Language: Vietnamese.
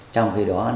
trong khi đó